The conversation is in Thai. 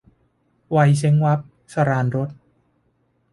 วัยเช้งวับ - สราญรส